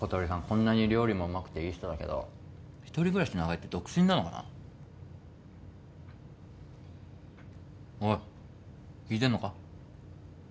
こんなに料理もうまくていい人だけど一人暮らし長いって独身なのかなおい聞いてんのか？